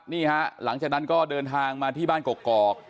นี่ฮะหลังจากนั้นก็เดินทางมาที่บ้านกอก